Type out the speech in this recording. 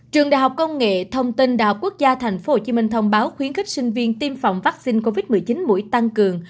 trường đại học công nghệ thông tin đạo quốc gia thành phố hồ chí minh thông báo khuyến khích sinh viên tiêm phòng vắc xin covid một mươi chín mũi tăng cường